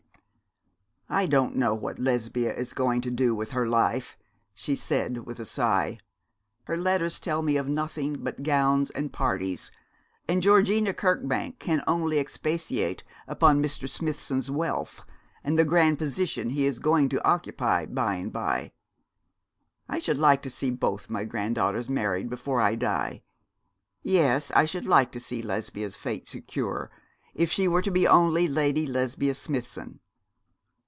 'I don't know what Lesbia is going to do with her life,' she said, with a sigh. 'Her letters tell me of nothing but gowns and parties; and Georgina Kirkbank can only expatiate upon Mr. Smithson's wealth, and the grand position he is going to occupy by and by. I should like to see both my granddaughters married before I die yes, I should like to see Lesbia's fate secure, if she were to be only Lady Lesbia Smithson.'